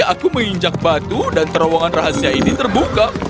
aku menginjak batu dan terowongan rahasia ini terbuka